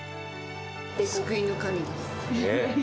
救いの神です。